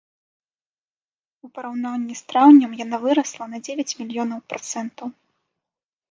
У параўнанні з траўнем яна вырасла на дзевяць мільёнаў працэнтаў.